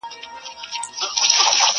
ستا په لاره کي به نه وي زما د تږو پلونو نښي٫